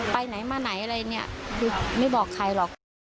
ไปไหนมาไหนอะไรเนี่ยคือไม่บอกใครหรอก